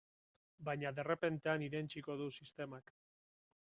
Baina derrepentean irentsiko du sistemak.